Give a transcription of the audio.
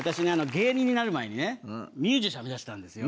芸人になる前にねミュージシャン目指してたんですよ。